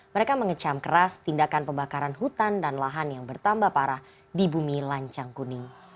mereka mengecam keras tindakan pembakaran hutan dan lahan yang bertambah parah di bumi lancang kuning